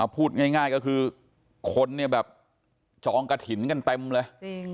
พูดง่ายก็คือคนเนี่ยแบบจองกระถิ่นกันเต็มเลย